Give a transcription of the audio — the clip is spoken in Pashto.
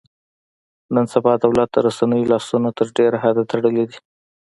نن سبا دولت د رسنیو لاسونه تر ډېره حده تړلي دي.